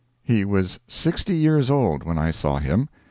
He was sixty years old when I saw him.